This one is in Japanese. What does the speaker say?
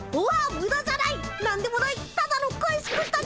ムダじゃない何でもないただの小石くんたち！